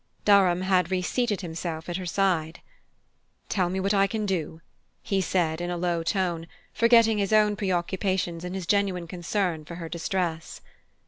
Durham had reseated himself at her side. "Tell me what I can do," he said in a low tone, forgetting his own preoccupations in his genuine concern for her distress.